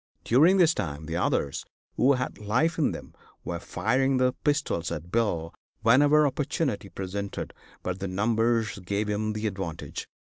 During this time the others, who had life in them, were firing their pistols at Bill whenever opportunity presented, but their numbers gave him the advantage.